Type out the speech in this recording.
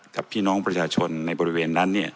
กับพี่น้องประชาชนในบริเวณนั้น